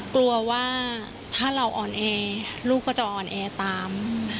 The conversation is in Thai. กลัวว่าถ้าเราอ่อนแอลูกก็จะอ่อนแอตาม